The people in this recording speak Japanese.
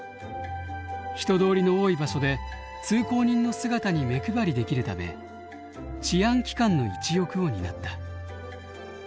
人通りの多い場所で通行人の姿に目配りできるため治安機関の一翼を担った。